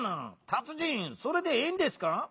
たつじんそれでええんですか？